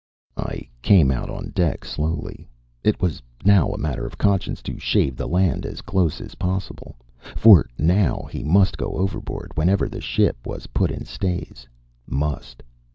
I came out on deck slowly. It was now a matter of conscience to shave the land as close as possible for now he must go overboard whenever the ship was put in stays. Must!